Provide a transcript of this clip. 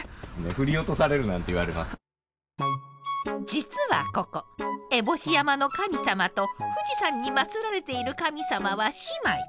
実はここ烏帽子山の神様と富士山に祭られている神様は姉妹。